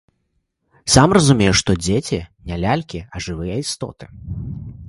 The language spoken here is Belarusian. Сам разумееш, што дзеці не лялькі, а жывыя істоты.